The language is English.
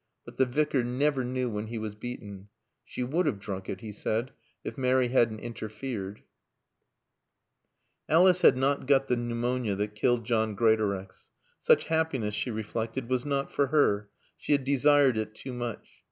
But the Vicar never knew when he was beaten. "She would have drunk it," he said, "if Mary hadn't interfered." Alice had not got the pneumonia that had killed John Greatorex. Such happiness, she reflected, was not for her. She had desired it too much.